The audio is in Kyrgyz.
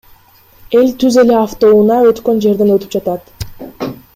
Эл түз эле автоунаа өткөн жерден өтүп жатат.